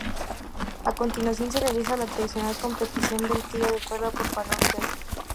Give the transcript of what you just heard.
A continuación se realiza la tradicional competición del tiro de cuerda por parroquias.